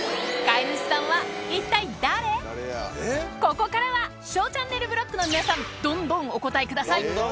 ここからは「ＳＨＯＷチャンネルブロック」の皆さんどんどんお答えください。